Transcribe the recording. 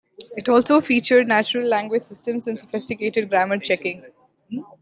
It also featured natural language systems and sophisticated grammar checking.